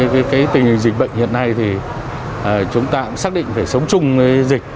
với tình hình dịch bệnh hiện nay thì chúng ta cũng xác định phải sống chung với dịch